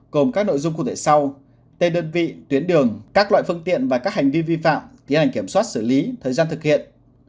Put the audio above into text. gồm các nội dung cụ thể sau tên đơn vị tuyến đường các loại phương tiện và các hành vi vi phạm tiến hành kiểm soát xử lý thời gian thực hiện